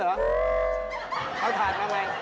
เอาถัดมาแว่ง